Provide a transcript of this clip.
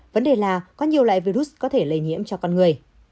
vấn đề là có nhiều loại virus có thể lây nhiễm cho con người